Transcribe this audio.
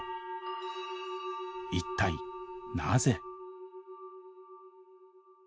一体なぜ？